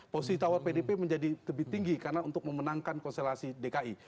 positivitas pdip menjadi lebih tinggi karena untuk memenangkan konservasi dki